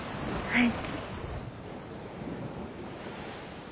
はい。